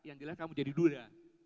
yang jelas kamu jadi duda